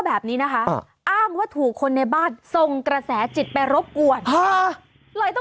เบิร์ตลมเสียโอ้โห